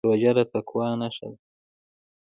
روژه د تقوا نښه ده.